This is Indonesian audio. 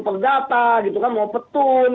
perdata mau petun